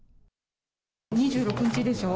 ２６日でしょ。